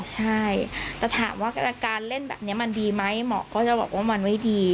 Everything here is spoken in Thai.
ใช่แต่ถามว่าการเล่นแบบนี้มันดีไหมหมอก็จะบอกว่ามันไม่ดี